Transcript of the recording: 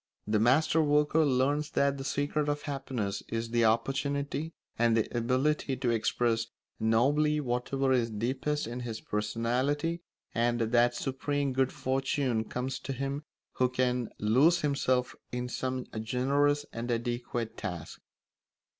The master worker learns that the secret of happiness is the opportunity and the ability to express nobly whatever is deepest in his personality, and that supreme good fortune comes to him who can lose himself in some generous and adequate task.